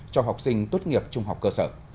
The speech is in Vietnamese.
cho học sinh tốt nghiệp trung học cơ sở